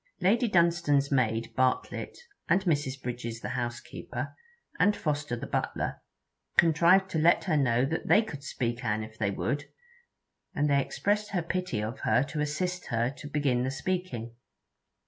Lady Dunstane's maid Bartlett, and Mrs. Bridges the housekeeper, and Foster the butler, contrived to let her know that they could speak an if they would; and they expressed their pity of her to assist her to begin the speaking.